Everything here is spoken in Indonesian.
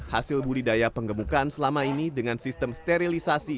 hasil budidaya penggemukan selama ini dengan sistem sterilisasi